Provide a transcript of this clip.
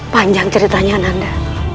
panjang ceritanya nanda